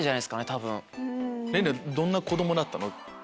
れんれんどんな子供だったの？